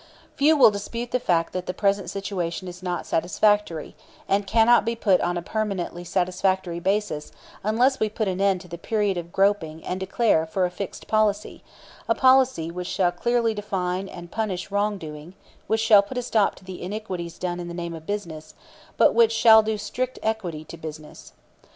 Few will dispute the fact that the present situation is not satisfactory, and cannot be put on a permanently satisfactory basis unless we put an end to the period of groping and declare for a fixed policy, a policy which shall clearly define and punish wrong doing, which shall put a stop to the iniquities done in the name of business, but which shall do strict equity to business.